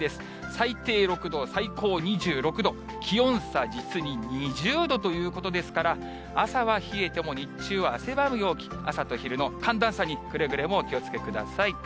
最低６度、最高２６度、気温差、実に２０度ということですから、朝は冷えても日中は汗ばむ陽気、朝と昼の寒暖差にくれぐれもお気をつけください。